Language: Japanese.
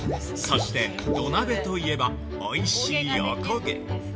◆そして、土鍋といえばおいしいおこげ。